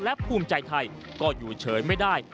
และภูมิใจไทยก็อยู่เฉยไม่ได้